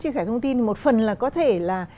chia sẻ thông tin một phần là có thể là